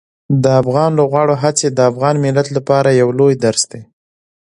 د افغان لوبغاړو هڅې د افغان ملت لپاره یو لوی درس دي.